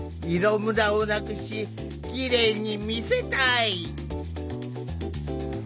色むらをなくしきれいに見せたい。